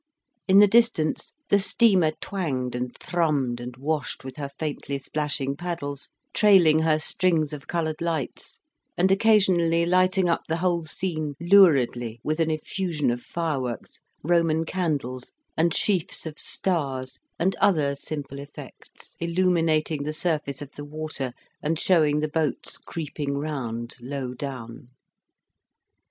In the distance, the steamer twanged and thrummed and washed with her faintly splashing paddles, trailing her strings of coloured lights, and occasionally lighting up the whole scene luridly with an effusion of fireworks, Roman candles and sheafs of stars and other simple effects, illuminating the surface of the water, and showing the boats creeping round, low down.